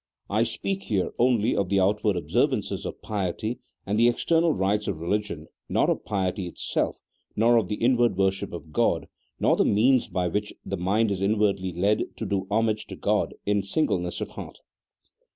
I speak here only of the outward observances of piety and the external rites of religion, not of piety itself, nor of the inward worship of Grod, nor the means by which the mind is inwardly led to do homage to Grod in singleness of heart.